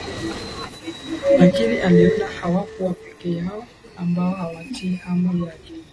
lakini aliona hawakuwa peke yao ambao hawatii amri yake